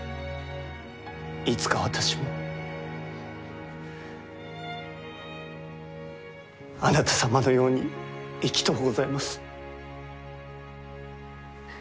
いつか私もあなた様のように生きとうございます。